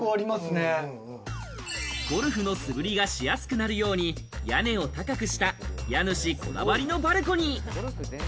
ゴルフの素振りがしやすくなるように屋根を高くした家主こだわりのバルコニー。